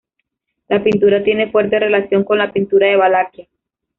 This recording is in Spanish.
La pintura tiene fuerte relación con la pintura de Valaquia.